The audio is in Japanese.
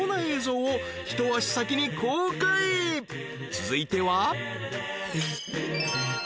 ［続いては］